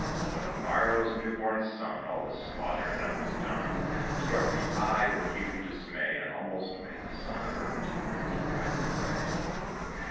With the morrow's new born sun, All the slaughter that was done Struck the eye with huge dismay, And almost made the sun avert his rising ray.